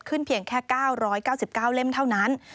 เพียงแค่๙๙๙เล่มเท่านั้น